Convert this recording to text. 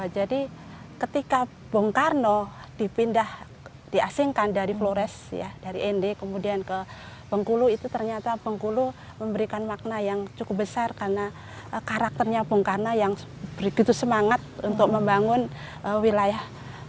ketika bung karno dipindah diasingkan dari flores dari nd kemudian ke bengkulu itu ternyata bengkulu memberikan makna yang cukup besar karena karakternya bung karno yang begitu semangat untuk membangun wilayah